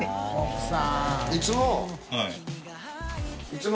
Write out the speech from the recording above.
いつも。